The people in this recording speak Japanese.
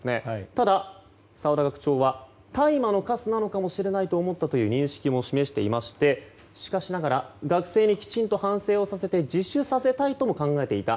ただ、澤田学長は大麻のかすなのかもしれないと思ったなどと認識も示していましてしかしながら学生にきちんと反省をさせて自首させたいとも考えていた。